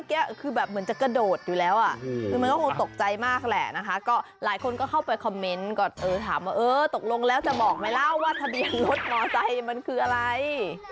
ตกลงแล้วจะบอกไหมละว่าทะเลียนรถมอเซอ์มันคืออะไร